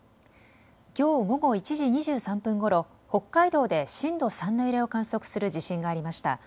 きょう午後１時２３分ごろ北海道で震度３の揺れを観測する地震がありました。